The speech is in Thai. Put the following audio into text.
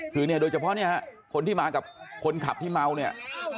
คือเนี่ยโดยเฉพาะเนี่ยฮะคนที่มากับคนขับที่เมาเนี่ย